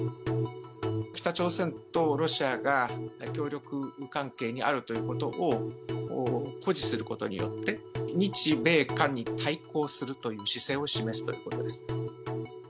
北朝鮮とロシアが協力関係にあるということを誇示することによって、日米韓に対抗するという姿勢を示すということです。